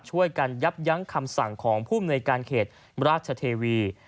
ช่วยกันยับยั้งคำสั่งของภูมิหน่วยการเขตราชเทวี